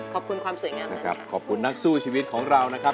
ขอบคุณความสวยงามนั้นค่ะ